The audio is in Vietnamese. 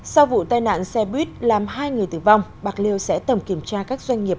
sau vụ tai nạn xe buýt làm hai người tử vong bạc liêu sẽ tầm kiểm tra các doanh nghiệp